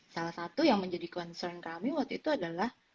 salah satu yang menjadi concern kami waktu itu adalah